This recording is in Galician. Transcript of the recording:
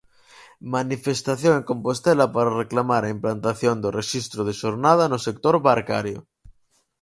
Manifestación en Compostela para reclamar a implantación do rexistro de xornada no sector barcario.